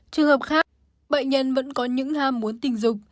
trường hợp khác bệnh nhân vẫn có những ham muốn tình dục